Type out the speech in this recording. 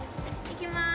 いきます。